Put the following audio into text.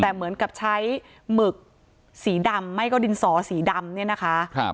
แต่เหมือนกับใช้หมึกสีดำไม่ก็ดินสอสีดำเนี่ยนะคะ